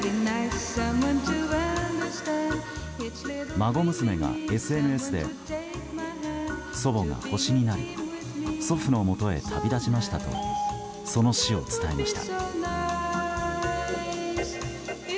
孫娘がＳＮＳで祖母が星になり祖父のもとへ旅立ちましたとその死を伝えました。